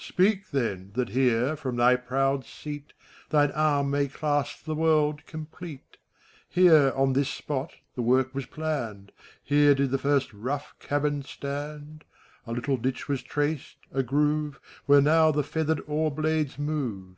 Speak, then, that here, from thy proud seat. Thine arm may clasp the world complete. Here, on this spot, the work was planned ; Here did the first rough cabin stand ; A little ditch was traced, a groove, Where now the feathered oar blades move.